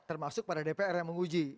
termasuk pada dpr yang menguji